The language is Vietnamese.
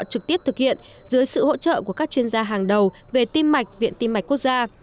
trực tiếp thực hiện dưới sự hỗ trợ của các chuyên gia hàng đầu về tim mạch viện tim mạch quốc gia